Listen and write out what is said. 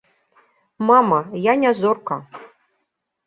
Мама, я не зорка.